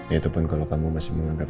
yaitupun kalau kamu masih menganggap